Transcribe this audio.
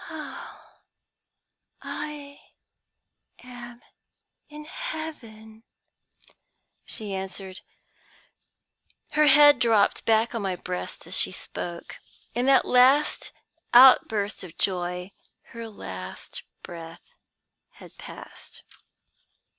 "'I am in heaven!' she answered. "Her head dropped back on my breast as she spoke. In that last outburst of joy her last breath had passed.